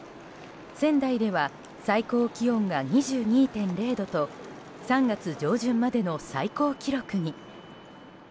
仙台では最高気温が２２．０度と３月上旬までの最高記録に。